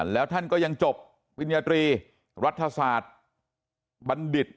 แล้วท่านก็ยังจบปริญญาตรีรัฐศาสตร์บัณฑิต